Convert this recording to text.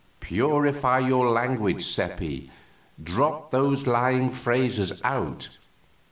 Purify your language, Seppi; drop those lying phrases out of it."